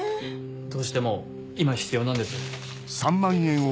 どうしても今必要なんです。